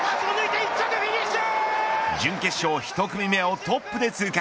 準決勝１組目をトップで通過。